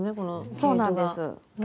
そうなんです。